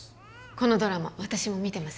このドラマ私も見てます